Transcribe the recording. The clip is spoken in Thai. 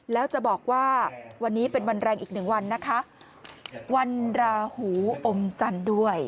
แล้วจะบอกว่าวันนี้เป็นวันแรงอีกหนึ่งวันนะคะวันราหูอมจันทร์ด้วย